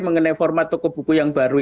mengenai format toko buku yang baru